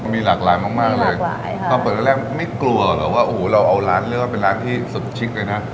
มีหลากหลายมากมากเลยตอนเปิดแรกแรกไม่กลัวหรอกว่าโอ้โหเราเอาร้านเรียกว่าเป็นร้านที่สุดชิคเลยนะ